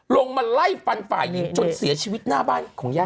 ลงมาไล่ฟันฝ่ายยิงจนเสียชีวิตหน้าบ้านของย่า